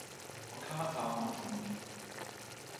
o kama tawa ma tomo mi.